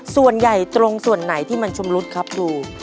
ส่วนใหญ่ตรงส่วนไหนที่มันชำรุดครับดู